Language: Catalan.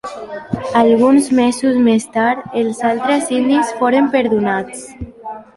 Alguns mesos més tard els altres indis foren perdonats.